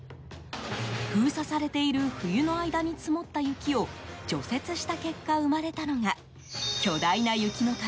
封鎖されている冬の間に積もった雪を除雪した結果生まれたのが巨大な雪の壁